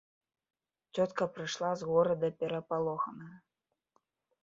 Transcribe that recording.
Цётка прыйшла з горада перапалоханая.